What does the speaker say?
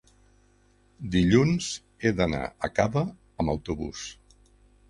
dilluns he d'anar a Cava amb autobús.